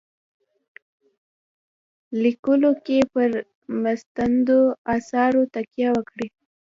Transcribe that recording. لیکلو کې پر مستندو آثارو تکیه وکړي.